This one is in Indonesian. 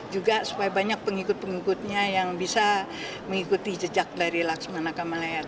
juga supaya banyak pengikut pengikutnya yang bisa mengikuti jejak dari laksamana kamalayar